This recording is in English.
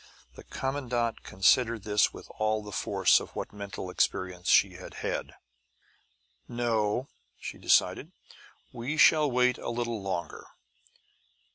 The commandant considered this with all the force of what mental experience she had had. "No," she decided. "We shall wait a little longer.